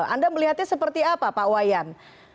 anda melihatnya seperti apa pak wayan